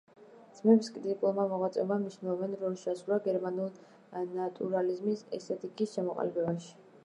ძმების კრიტიკულმა მოღვაწეობამ მნიშვნელოვანი როლი შეასრულა გერმანულ ნატურალიზმის ესთეტიკის ჩამოყალიბებაში.